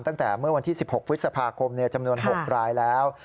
ตั้งแต่เมื่อวันที่๑๖พฤษภาคมจำนวน๖รายแล้ว